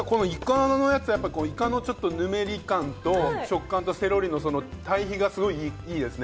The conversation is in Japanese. イカのやつ、イカのぬめり感と、食感とセロリの対比がすごくいいですね！